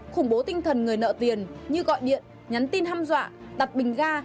khủng bố tinh thần người nợ tiền như gọi điện nhắn tin hăm dọa đặt bình ga